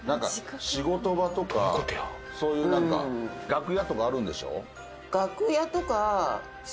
「仕事場とかそういうなんか楽屋とかあるんでしょ？」。